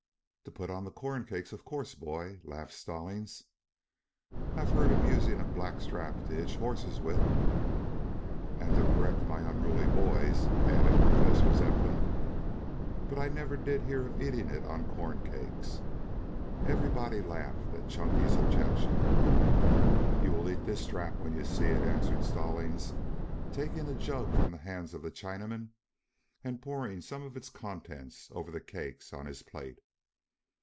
"To put on the corn cakes of course, boy," laughed Stallings. "I've heard of using a black strap to hitch horses with " "And to correct unruly boys," added Professor Zepplin. "But I never did hear of eating it on corn cakes." Everybody laughed at Chunky's objection. "You will eat this strap when you see it," answered Stallings, taking a jug from the hands of the Chinaman and pouring some of its contents over the cakes on his plate.